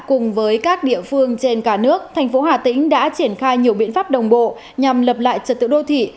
cùng với các địa phương trên cả nước tp hcm đã triển khai nhiều biện pháp đồng bộ nhằm lập lại trật tựu đô thị